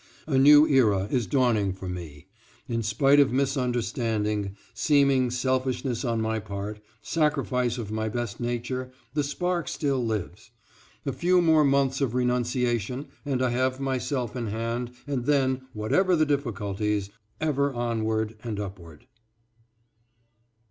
A new era is dawning for me. In spite of misunderstanding, seeming selfishness on my part, sacrifice of my best nature, the spark still lives. A few more months of renunciation and I have myself in hand and then, whatever the difficulties, ever onward and upward.